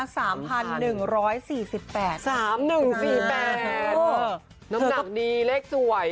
น้ำหนักดีเลขสวย